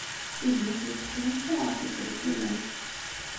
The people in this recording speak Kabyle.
Gma-s yettxemmim kan ɣef yiselkimen.